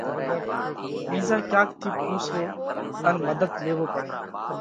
ٻِيزا ڪياڪ ٿِي پُونسوو ان مڌت ليوو پڙئھ۔